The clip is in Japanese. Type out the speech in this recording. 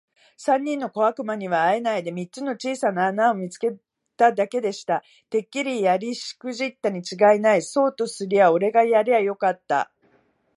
三人の小悪魔にはあえないで、三つの小さな穴を見つけただけでした。「てっきりやりしくじったにちがいない。そうとすりゃおれがやりゃよかった。」